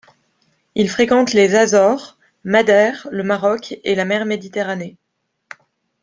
Il fréquente les Azores, Madère, le Maroc et la Mer Méditerranée.